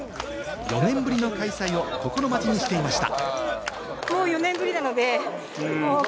４年ぶりの開催を心待ちにしていました。